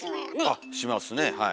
あっしますねはい。